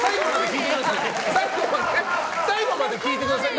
最後まで聞いてください！